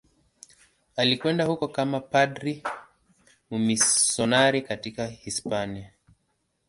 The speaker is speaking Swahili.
Alikwenda huko kama padri mmisionari kutoka Hispania.